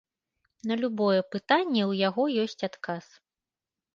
На любое пытанне ў яго ёсць адказ.